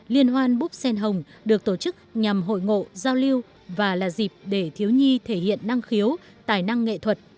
liên hoan búp xen hồng được tổ chức nhằm hội ngộ giao lưu và là dịp để thiếu nhi thể hiện năng khiếu tài năng nghệ thuật